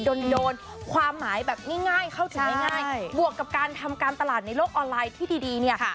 โดนโดนความหมายแบบง่ายเข้าถึงง่ายบวกกับการทำการตลาดในโลกออนไลน์ที่ดีเนี่ย